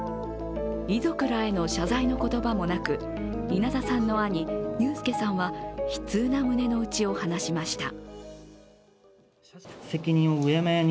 遺族らへの謝罪の言葉もなく稲田さんの兄・雄介さんは、悲痛な胸の内を話しました。